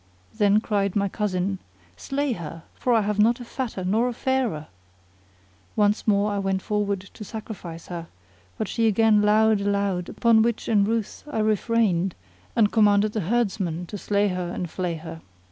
Then cried my cousin, "Slay her, for I have not a fatter nor a fairer!" Once more I went forward to sacrifice her, but she again lowed aloud upon which in ruth I refrained and commanded the herdsman to slay her and flay her.